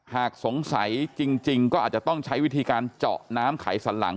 หากสงสัยจริงก็อาจจะต้องใช้วิธีการเจาะน้ำไขสันหลัง